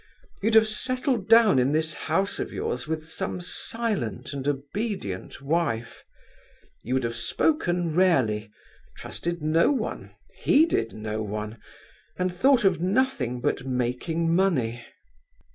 You'd have settled down in this house of yours with some silent and obedient wife. You would have spoken rarely, trusted no one, heeded no one, and thought of nothing but making money."